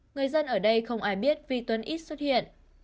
người dân ở đây không ai biết vi tuấn ít xuất hiện